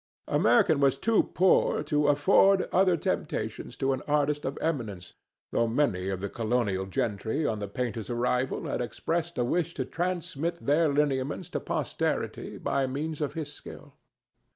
America was too poor to afford other temptations to an artist of eminence, though many of the colonial gentry on the painter's arrival had expressed a wish to transmit their lineaments to posterity by moans of his skill.